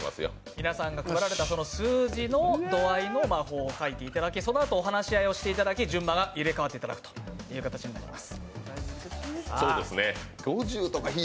皆さんが配られた数字カードの度合いの魔法を書いていただき、そのあと、お話し合いをしていただき順番を入れ代わっていただくということになります。